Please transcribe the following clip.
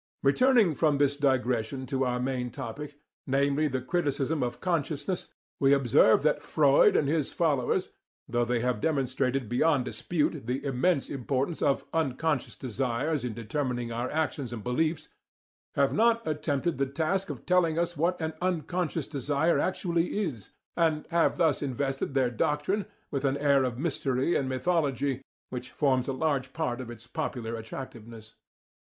Returning from this digression to our main topic, namely, the criticism of "consciousness," we observe that Freud and his followers, though they have demonstrated beyond dispute the immense importance of "unconscious" desires in determining our actions and beliefs, have not attempted the task of telling us what an "unconscious" desire actually is, and have thus invested their doctrine with an air of mystery and mythology which forms a large part of its popular attractiveness.